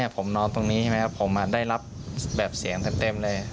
ผมนอนตรงนี้ใช่ไหมครับผมได้รับแบบเสียงเต็มเลย